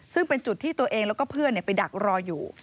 ซึ่งเป็นจุดที่ตัวเองแล้วก็เพื่อนไปดักรออยู่